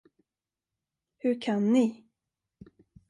Hur kan ni.